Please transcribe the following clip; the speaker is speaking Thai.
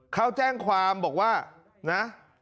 เขาแจ้งความบอกว่านะ